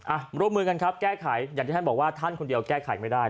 อ่ะร่วมมือกันครับแก้ไขอย่างที่ท่านบอกว่าท่านคนเดียวแก้ไขไม่ได้